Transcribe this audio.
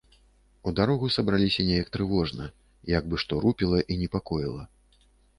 У дарогу сабраліся нейк трывожна, як бы што рупіла і непакоіла.